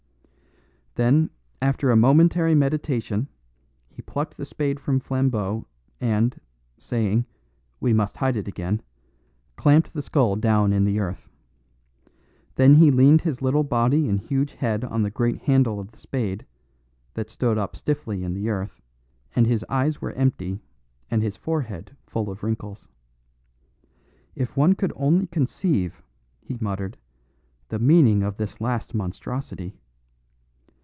Then, after a momentary meditation, he plucked the spade from Flambeau, and, saying "We must hide it again," clamped the skull down in the earth. Then he leaned his little body and huge head on the great handle of the spade, that stood up stiffly in the earth, and his eyes were empty and his forehead full of wrinkles. "If one could only conceive," he muttered, "the meaning of this last monstrosity."